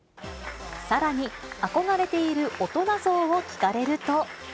さらに、憧れている大人像を聞かれると。